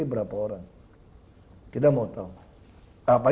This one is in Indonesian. minta semua orang datang untuk nongkrongin semua tps